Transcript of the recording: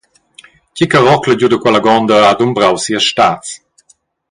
Tgi che rocla giu da quella gonda, ha dumbrau sias stads.